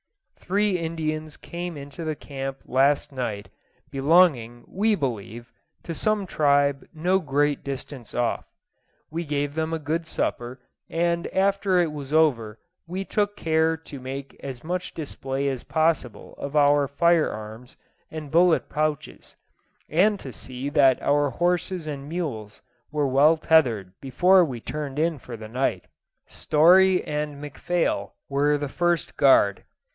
Three Indians came into the camp last night, belonging, we believe, to some tribe no great distance off. We gave them a good supper; and after it was over we took care to make as much display as possible of our firearms and bullet pouches, and to see that our horses and mules were well tethered before we turned in for the night. Story and McPhail were the first guard.